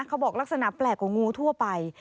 เขาบอกลักษณะแปลกกว่างูทั่วไป